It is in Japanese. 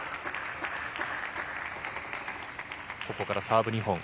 ここからサーブ２本。